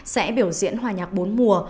sẽ biểu diễn hòa nhạc bốn mùa